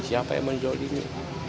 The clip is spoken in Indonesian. siapa yang menzolimi